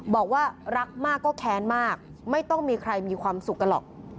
บอกว่ารักมากก็แค้นมากไม่ต้องมีใครมีความสุขกันหรอก